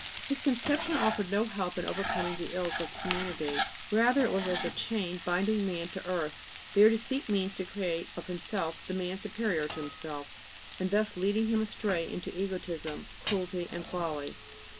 His conception offered no help in overcoming the ills of humanity; rather was it as a chain binding man to earth, there to seek means to create of himself the man superior to himself; and thus leading him astray into egotism, cruelty and folly.